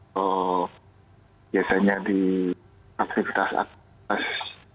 biasanya di aktivitas aktivitas